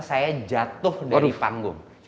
saya jatuh dari panggung